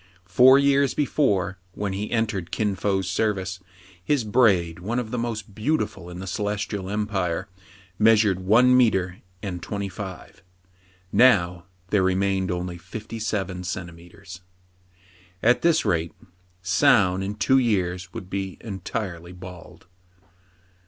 Four years before, when he entered Kin Fo's service, his braid, one of the most beautiful in the Celestial Empire, measured one metre and twenty five. Now there remained only fifty seven centimetres. At this rate, Soun in two years would be en tirely bald.